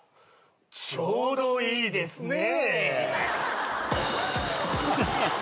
ちょうどいいですね。